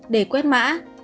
để quét mã